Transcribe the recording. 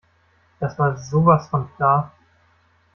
Das war sowas von klar.